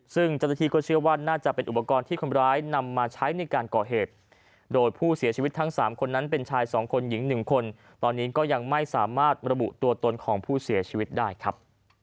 ซึ่งเจ้าหน้าที่ก็เชื่อว่าน่าจะเป็นอุปกรณ์ที่คนร้ายนำมาใช้ในการก่อเหตุโดยผู้เสียชีวิตทั้ง๓คนนั้นเป็นชาย๒คนหญิง๑คนตอนนี้ก็ยังไม่สามารถระบุตัวตนของผู้เสียชีวิตได้ครับ